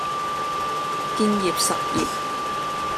建業實業